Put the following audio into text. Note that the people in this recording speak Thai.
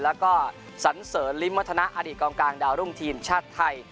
แล้วก็สันเสริญลิ้มวัฒนาอดีตกองกลางดาวรุ่งทีมชาติไทย